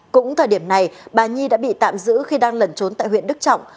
cũng thời điểm này bà nhi đã bị tạm giữ khi đang lẩn trốn tại huyện đức trọng